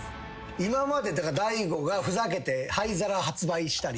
今まで大悟がふざけて灰皿発売したり。